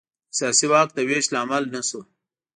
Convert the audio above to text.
د سیاسي واک د وېش لامل نه شو.